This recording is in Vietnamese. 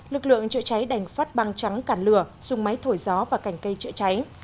lực lượng trợ cháy đành phát băng trắng cản lửa dùng máy thổi gió và cảnh cây trợ cháy